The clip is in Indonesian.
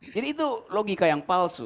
jadi itu logika yang palsu